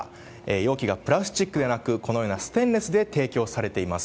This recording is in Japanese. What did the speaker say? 容器がプラスチックではなくステンレスで提供されています。